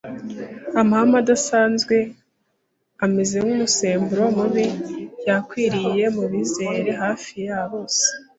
Amahame adasanzwe ameze nk’umusemburo mubi yakwiriye mu bizera hafi ya bose